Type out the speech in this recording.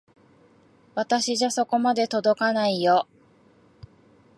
私じゃそこまで届かないよ。